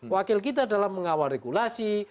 wakil kita dalam mengawal regulasi